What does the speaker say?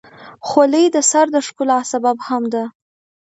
خولۍ د سر د ښکلا سبب هم ده.